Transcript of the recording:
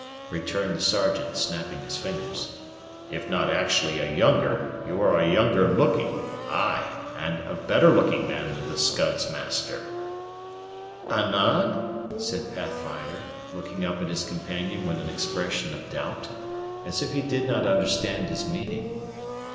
returned the Sergeant, snapping his fingers. "If not actually a younger, you are a younger looking, ay, and a better looking man than the Scud's master " "Anan?" said Pathfinder, looking up at his companion with an expression of doubt, as if he did not understand his meaning.